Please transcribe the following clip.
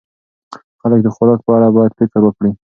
خلک د خوراک په اړه باید خپل فکر وکړي.